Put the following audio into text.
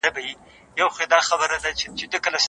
هغه لاره چي علم ته ځي، د جنت لاره ده.